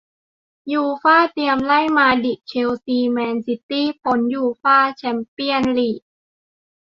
ยูฟ่า เตรียมไล่ มาดริด เชลซี แมนซิตี้ พ้น ยูฟ่า แชมเปี้ยนส์ ลีก